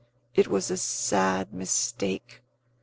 it was a sad mistake!